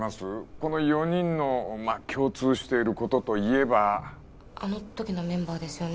この４人の共通していることといえばあのときのメンバーですよね